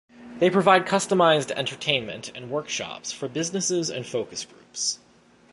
They provide customized entertainment and workshops for businesses and focus groups.